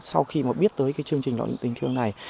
sau khi mà biết tới cái chương trình lọ tình thương này